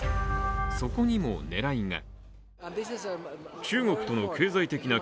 そこにも狙いが。